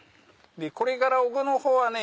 これから奥のほうはね